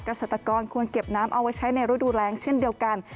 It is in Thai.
เกษตรกรควรเก็บน้ำเอาไว้ใช้ในฤดูแรงเช่นเดียวกัน